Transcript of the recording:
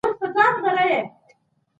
ښه ذهنیت شخړه نه جوړوي.